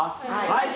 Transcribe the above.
はい。